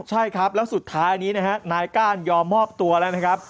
ใช่ครับแล้วสุดท้ายนี้นะฮะนายก้านยอมมอบตัวแล้วนะครับ